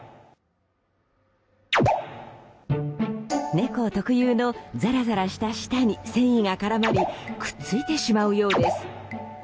猫特有のザラザラした舌に繊維が絡まりくっついてしまうようです。